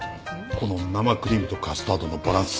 この生クリームとカスタードのバランス。